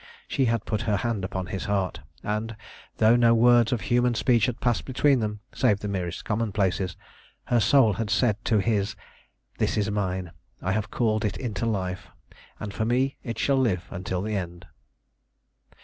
She had put her hand upon his heart, and, though no words of human speech had passed between them, save the merest commonplaces, her soul had said to his, "This is mine. I have called it into life, and for me it shall live until the end."